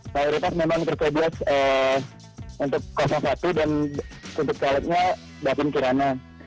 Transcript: prioritas memang tercoblos untuk satu dan untuk toiletnya bapin kirana